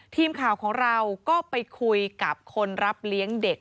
ทีมข่าวของเราก็ไปคุยกับคนรับเลี้ยงเด็ก